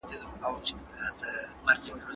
جامد لیدلوری د ذهن د بندښت نښه ده.